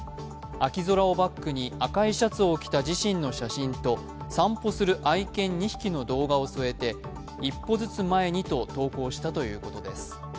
秋空をバックに赤いシャツを着た自身の写真と散歩する愛犬２匹の動画を添えて一歩ずつ前にと投稿したということです。